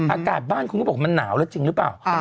อากาศบ้านคุณก็บอกมันหนาวแล้วจริงหรือเปล่า